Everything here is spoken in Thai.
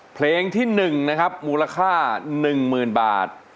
เพลงที่๑นะครับมูลค่า๑๐๐๐บาท